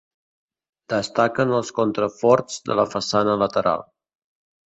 Destaquen els contraforts de la façana lateral.